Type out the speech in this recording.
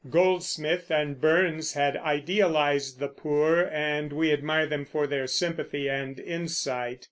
Goldsmith and Burns had idealized the poor, and we admire them for their sympathy and insight.